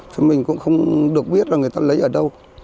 chứ mình cũng không được biết là người ta lấy ở đâu